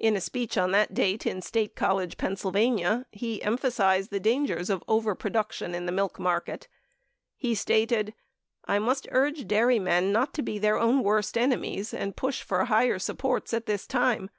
Tn a speech on that date in State College, Pa., he emphasized the dangers of overproduction in the milk market. He stated : T must urge dairymen not to be their own worst enemies and push for higher supports at this time.